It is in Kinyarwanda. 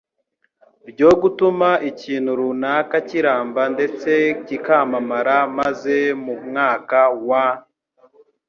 ryo gutuma ikintu runaka kiramba ndetse kikamamara maze mu mwaka wa